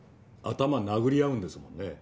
頭殴り合うんですもんね。